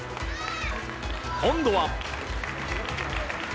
今度は。